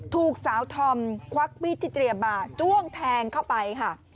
ถูกสาวธอมควักมีดที่เตรียมมาจ้วงแทงเข้าไปค่ะ